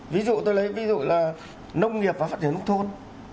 ví dụ tôi lấy ví dụ là nông nghiệp và phát triển nông thôn